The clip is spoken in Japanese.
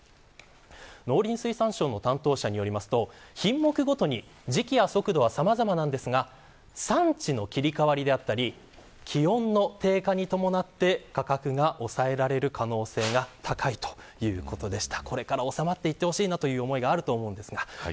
農林水産省の担当者によりますと品目ごとに時期や速度はさまざまですが産地の切り替わりや気温の低下に伴って価格が抑えられる可能性が高いということでした。